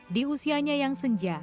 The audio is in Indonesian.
di usianya yang senja